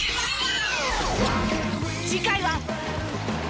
次回は。